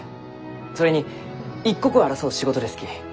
それに一刻を争う仕事ですき。